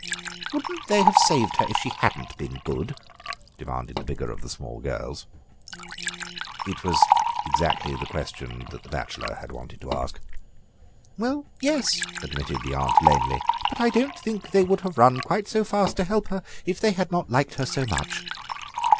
"Wouldn't they have saved her if she hadn't been good?" demanded the bigger of the small girls. It was exactly the question that the bachelor had wanted to ask. "Well, yes," admitted the aunt lamely, "but I don't think they would have run quite so fast to her help if they had not liked her so much."